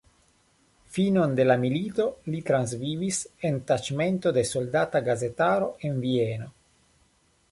Finon de la milito li transvivis en taĉmento de soldata gazetaro en Vieno.